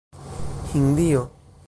Hindio